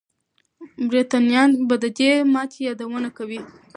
برتانويان به د دې ماتې یادونه کوي.